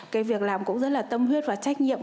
cái việc làm cũng rất là tâm huyết và trách nhiệm